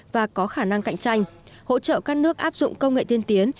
và có khả năng cạnh tranh hỗ trợ các nước áp dụng công nghệ tiên tiến